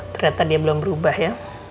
ternyata dia belum berubah ya